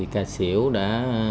cà xỉu đã